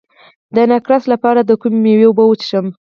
د نقرس لپاره د کومې میوې اوبه وڅښم؟